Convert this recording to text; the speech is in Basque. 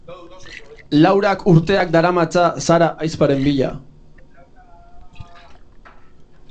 Laurak urteak daramatza Sara ahizparen bila.